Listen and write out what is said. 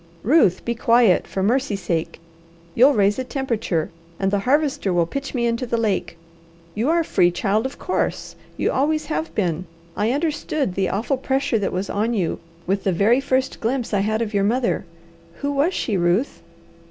"Ruth, be quiet, for mercy sake! You'll raise a temperature, and the Harvester will pitch me into the lake. You are free, child, of course! You always have been. I understood the awful pressure that was on you with the very first glimpse I had of your mother. Who was she, Ruth?"